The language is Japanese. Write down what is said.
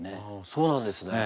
そうなんですね。